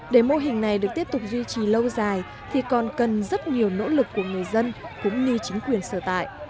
để mô hình này được tiếp tục duy trì lâu dài thì còn cần rất nhiều nỗ lực của người dân cũng như chính quyền sở tại